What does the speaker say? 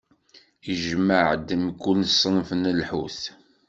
Ijemmeɛ-d mkul ṣṣenf n lḥut.